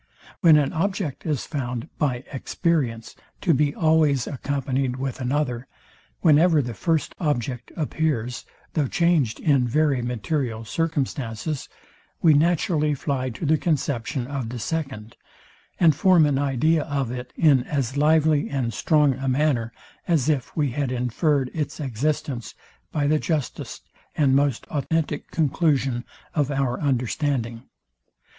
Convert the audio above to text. When an object is found by experience to be always accompanyed with another; whenever the first object appears, though changed in very material circumstances; we naturally fly to the conception of the second, and form an idea of it in as lively and strong a manner, as if we had infered its existence by the justest and most authentic conclusion of our understanding.